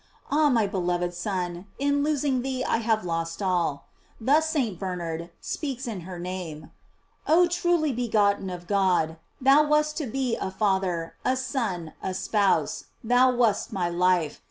Ah, my beloved Son, in losing thee I have lost all. Thus St. Bernard speaks in her name: Oh truly begotten of God, thou wast to me a father, a son, a spouse; thou wast my life!